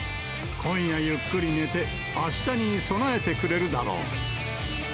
今夜ゆっくり寝て、あしたに備えてくれるだろう。